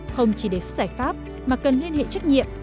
không chỉ đề xuất giải pháp mà cần liên hệ trách nhiệm